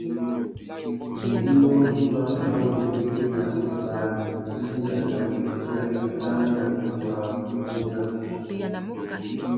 Ngüéngüinô ngüimá râ wubétēna, wubari, wugumiya na wuffúffüiya andjara na tumu râ waki i mú nà mpí.